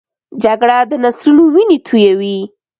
جګړه د نسلونو وینې تویوي